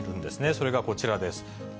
それがこちらです。